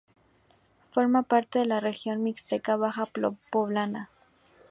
Forma parte de la región Mixteca Baja Poblana.